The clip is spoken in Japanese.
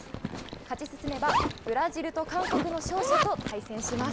勝ち進めばブラジルと韓国の勝者と対戦します。